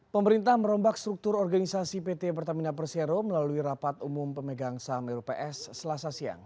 pemerintah merombak struktur organisasi pt pertamina persero melalui rapat umum pemegang saham rups selasa siang